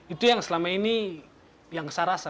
itu yang selama ini yang saya rasa